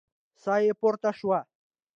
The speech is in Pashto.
ساه يې پورته شوه.